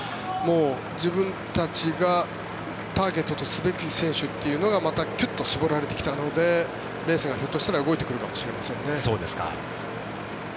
自分たちがターゲットとすべき選手というのがまたキュッと絞られてきたのでレースがひょっとしたら動いてくるかもしれませんね。